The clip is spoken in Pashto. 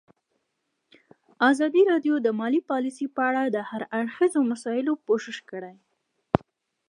ازادي راډیو د مالي پالیسي په اړه د هر اړخیزو مسایلو پوښښ کړی.